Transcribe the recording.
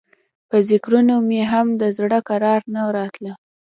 په ذکرونو مې هم د زړه کرار نه راته.